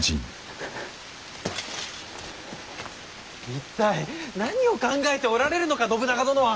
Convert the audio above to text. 一体何を考えておられるのか信長殿は！